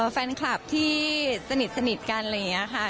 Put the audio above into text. แฟนคลับที่สนิทกันอะไรอย่างนี้ค่ะ